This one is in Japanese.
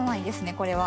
これは。